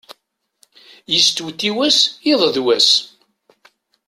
Yestewtiw-as iḍ d wass.